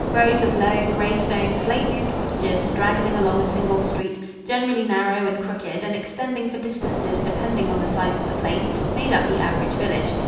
Rows of low, gray stone, slate roofed cottages straggling along a single street generally narrow and crooked and extending for distances depending on the size of the place made up the average village.